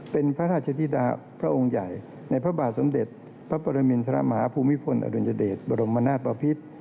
เป็นพระราชธิดาพระองค์ใหญ่ในพระบาทสมเด็จพระปรมินทรมาฮภูมิพลอดุลยเดชบรมนาศปภิษ